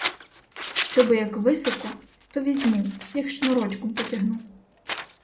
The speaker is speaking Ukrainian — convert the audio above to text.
Щоби як високо, то візьму, як шнурочком потягну.